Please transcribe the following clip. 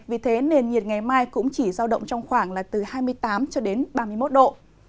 vì thế nền nhiệt ngày mai cũng chỉ giao động trong khoảng là từ hai mươi tám cho đến ba mươi một độ